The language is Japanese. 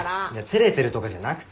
照れてるとかじゃなくて。